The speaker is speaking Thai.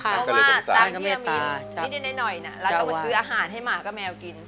เพราะว่าตามที่จะมีนิดหน่อยเราต้องมาซื้ออาหารให้หมากับแมวกิน